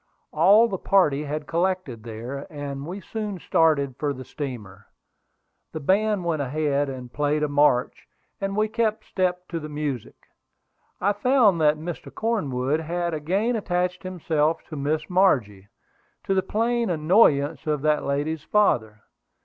All the party had collected there, and we soon started for the steamer. The band went ahead and played a march, and we kept step to the music. I found that Mr. Cornwood had again attached himself to Miss Margie, to the plain annoyance of that lady's father.